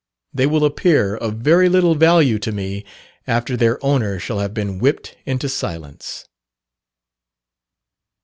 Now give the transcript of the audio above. They will appear of very little value to me after their owner shall have been whipt into silence."